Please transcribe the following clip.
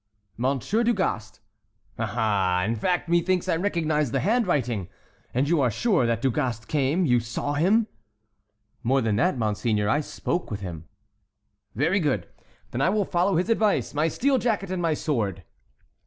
"Monsieur du Gast." "Aha! In fact, methinks I recognize the handwriting. And you are sure that Du Gast came? You saw him?" "More than that, monseigneur; I spoke with him." "Very good; then I will follow his advice—my steel jacket and my sword."